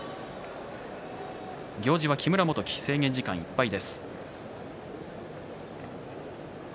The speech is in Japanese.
行司は木村元基制限時間いっぱい。